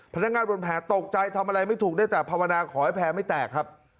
พนักงานบนแผลตกใจทำอะไรไม่ถูกได้แต่ภาวนาขอให้แผลไม่แตกครับ